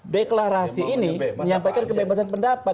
deklarasi ini menyampaikan kebebasan pendapat